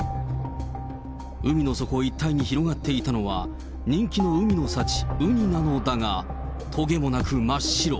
海の底一帯に広がっていたのは、人気の海の幸、ウニなのだが、とげもなく真っ白。